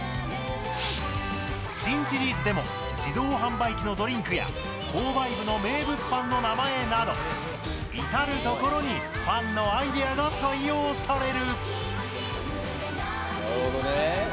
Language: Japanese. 新シリーズでも自動販売機のドリンクや購買部の名物パンの名前など至る所にファンのアイデアが採用される。